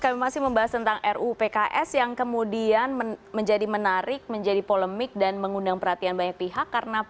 kami masih membahas tentang ruu pks yang kemudian menjadi menarik menjadi polemik dan mengundang perhatian banyak pihak